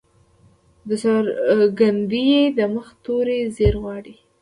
د څرګندي ي د مخه توری زير غواړي.